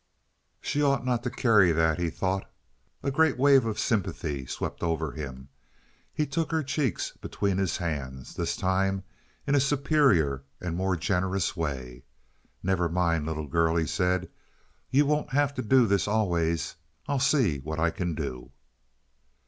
"She ought not to carry that," he thought. A great wave of sympathy swept over him. He took her cheeks between his hands, this time in a superior and more generous way. "Never mind, little girl," he said. "You won't have to do this always. I'll see what I can do."